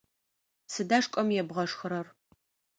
Сыда шкӏэм ебгъэшхырэр?